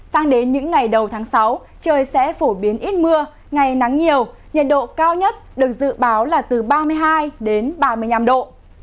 sang đến những ngày đầu tháng sáu trời sẽ phổ biến ít mưa ngày nắng nhiều nhiệt độ cao nhất được dự báo là từ ba mươi hai đến ba mươi năm độ